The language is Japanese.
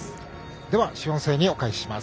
では主音声にお返しします。